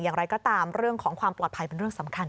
อย่างไรก็ตามเรื่องของความปลอดภัยเป็นเรื่องสำคัญ